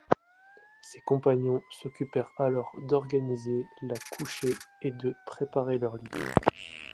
Ses compagnons s’occupèrent alors d’organiser la couchée et de préparer leur lit.